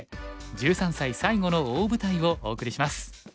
１３歳最後の大舞台」をお送りします。